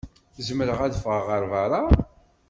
Zemreɣ ad ffɣeɣ ɣer beṛṛa?